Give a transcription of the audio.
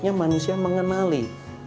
ini yang manusia mengenali